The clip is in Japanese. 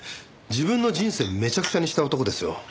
自分の人生をめちゃくちゃにした男ですよ？